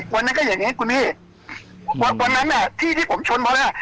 วันนั้นก็อย่างนี้คุณพี่วันนั้นน่ะที่ที่ผมชนพอแล้ว